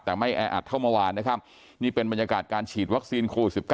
แต่ไม่แออัดเท่าเมื่อวานนะครับนี่เป็นบรรยากาศการฉีดวัคซีนโควิด๑๙